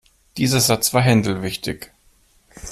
Dieser Satz war Händel wichtig.